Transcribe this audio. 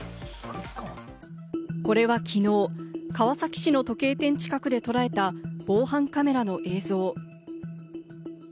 これはきのう、川崎市の時計店近くで捉えた防犯カメラの映像。